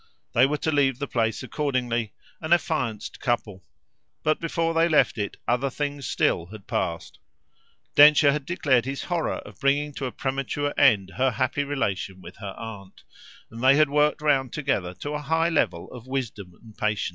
They were to leave the place accordingly an affianced couple, but before they left it other things still had passed. Densher had declared his horror of bringing to a premature end her happy relation with her aunt; and they had worked round together to a high level of discretion.